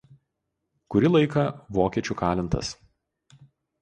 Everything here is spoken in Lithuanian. Kurį laiką vokiečių kalintas.